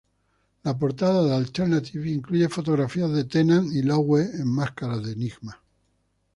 La portada de "Alternative" incluye fotografías de Tennant y Lowe en máscaras de esgrima.